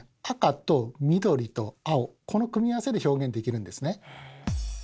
赤と緑と青この組み合わせで表現できるんですね。